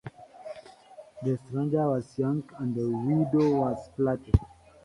The stranger was young, and the widow was flattered.